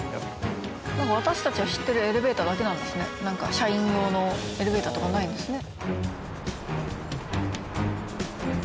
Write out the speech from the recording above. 社員用のエレベーターとかないんですね。